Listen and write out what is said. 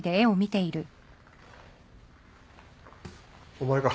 ・お前か。